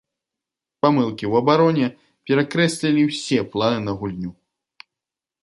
Памылкі ў абароне перакрэслілі ўсе планы на гульню.